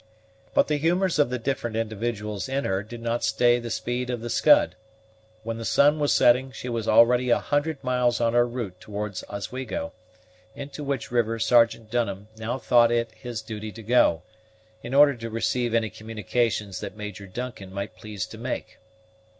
But the humors of the different individuals in her did not stay the speed of the Scud: when the sun was setting, she was already a hundred miles on her route towards Oswego, into which river Sergeant Dunham now thought it his duty to go, in order to receive any communications that Major Duncan might please to make.